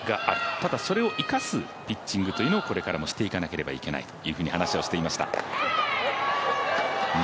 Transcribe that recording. ただ、それを生かすピッチングというのをこれからはしていかないといけないという話をしていました